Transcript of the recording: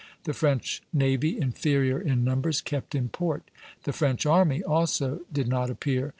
The French navy, inferior in numbers, kept in port. The French army also did not appear.